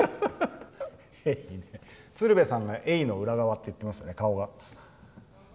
鶴瓶さんがエイの裏側って言ってますよね、顔が。